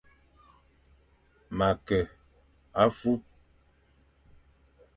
Ma ke afup.